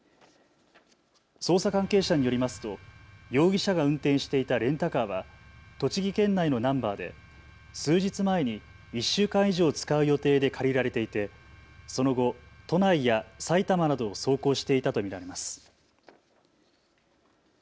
捜査関係者によりますと容疑者が運転していたレンタカーは栃木県内のナンバーで、数日前に１週間以上使う予定で借りられていてその後、都内や埼玉などを走行していたと見られます。